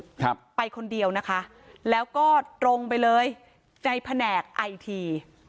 ครับไปคนเดียวนะคะแล้วก็ตรงไปเลยในแผนกไอที